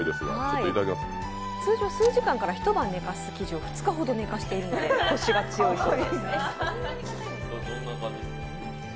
通常数時間から一晩寝かすところ、２日寝かせているのでコシが強いそうです。